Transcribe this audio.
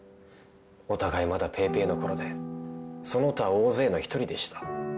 お互いまだペーペーのころでその他大勢の一人でした。